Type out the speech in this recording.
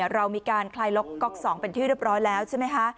เรามีการคลายล็อกก๊อก๒เป็นที่เรียบร้อยแล้วใช่ไหมคะ